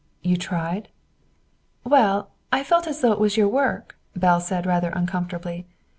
"You tried?" "Well, I felt as though it was your work," Belle said rather uncomfortably.